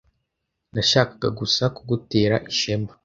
Nashakaga gusa kugutera ishema.